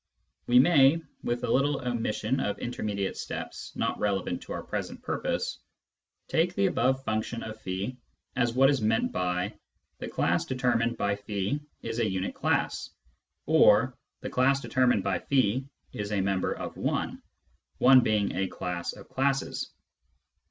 We may (with a little omission of intermediate steps not relevant to our present purpose) take the above function of as what is meant by " the class deter mined by is a unit class " as " the class determined by </> is a member of i " (i being a class of classes).